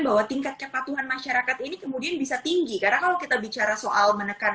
bahwa tingkat kepatuhan masyarakat ini kemudian bisa tinggi karena kalau kita bicara soal menekan